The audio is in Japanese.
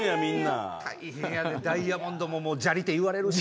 大変やで、ダイヤモンドも「砂利」って言われるし。